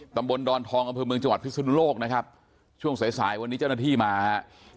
ตำบลดอนทองอำเภอเมืองจังหวัดพิศนุโลกนะครับช่วงสายสายวันนี้เจ้าหน้าที่มาครับ